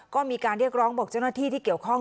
ก็มีการเรียกร้องบอกเจ้าหน้าที่ที่เกี่ยวข้อง